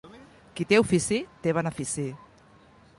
Qui té ofici, té benefici.